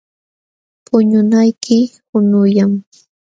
Puñunayki qunullam.